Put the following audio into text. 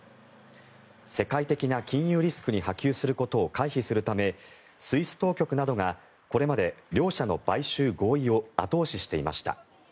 世界的な金融リスクに波及することを回避するためスイス当局などがこれまで両社の買収合意を後押ししていました。